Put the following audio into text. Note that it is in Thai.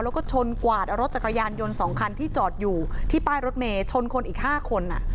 แล้วก็ชนกวาดเอารถจักรยานยนต์๒คันที่จอดอยู่ที่ป้ายรถเมย์ชนคนอีก๕คน